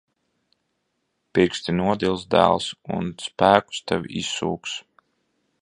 Pirksti nodils, dēls. Un spēkus tev izsūks.